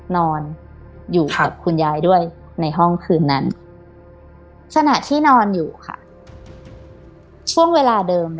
นอนอยู่กับคุณยายด้วยในห้องคืนนั้นขณะที่นอนอยู่ค่ะช่วงเวลาเดิม